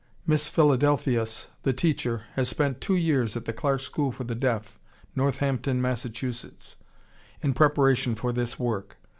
Miss Philadelpheus, the teacher, has spent two years at the Clark School for the Deaf, Northampton, Mass., in preparation for this work.